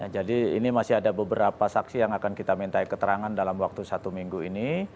jadi ini masih ada beberapa saksi yang akan kita minta keterangan dalam waktu satu minggu ini